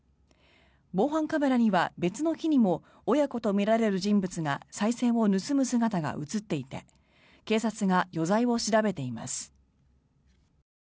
防犯カメラには別の日にも親子とみられる人物がさい銭を盗む姿が映っていて警察が余罪を調べています。